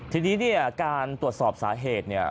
ทีนี้เนี่ยการตรวจสอบสาเหตุเนี่ย